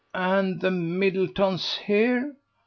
"And the Middletons here?